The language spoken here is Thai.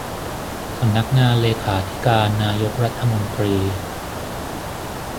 สำนักงานเลขาธิการนายกรัฐมนตรี